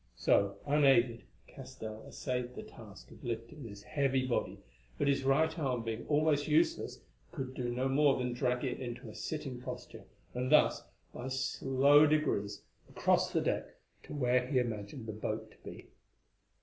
So, unaided, Castell essayed the task of lifting this heavy body, but his right arm being almost useless, could do no more than drag it into a sitting posture, and thus, by slow degrees, across the deck to where he imagined the boat to be.